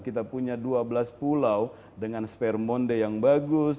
kita punya dua belas pulau dengan spermonde yang bagus